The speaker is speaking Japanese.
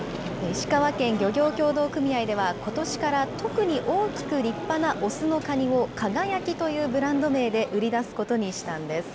石川県漁業協同組合では、ことしから特に大きく立派な雄のカニを輝というブランド名で売り出すことにしたんです。